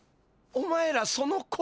お前らその声。